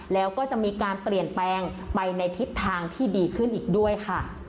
แล้วก็จะมีการเปลี่ยนแปลงไปในทิศทางที่ดีขึ้นอีกด้วยค่ะ